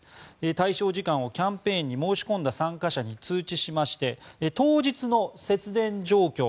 対象時間を、キャンペーンに申し込んだ参加者に通知しまして、当日の節電状況